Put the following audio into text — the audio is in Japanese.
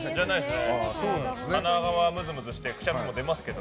鼻がムズムズしてくしゃみも出ますけど。